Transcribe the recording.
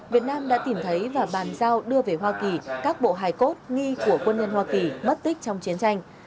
việt nam đã tìm thấy và bàn giao đưa về hoa kỳ các bộ hài cốt nghi của quân nhân hoa kỳ mất tích trong chiến tranh